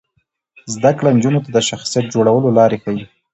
زده کړه نجونو ته د شخصیت جوړولو لارې ښيي.